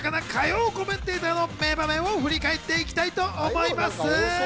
まずは個性豊かな火曜コメンテーターの名場面を振り返っていきたいと思います。